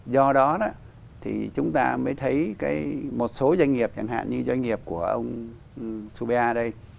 do đó thì chúng ta mới thấy một số doanh nghiệp chẳng hạn như doanh nghiệp của ông subia đây